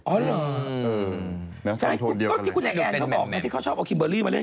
อ๋อเหรอคุณแอนดอกเขาบอกว่าที่เขาชอบเอาคิมเบอรี่มาเล่น